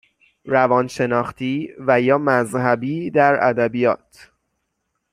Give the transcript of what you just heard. روانشناختی و یا مذهبی در ادبیات